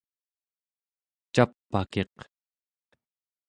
cap'akiq